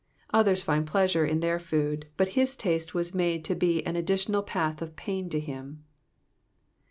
Others find pleasure in their food, but his taste was made to be an additional path of pain to him.